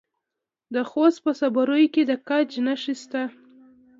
د خوست په صبریو کې د ګچ نښې شته.